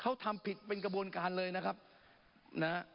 เขาทำผิดเป็นกระบวนการเลยนะครับนะฮะ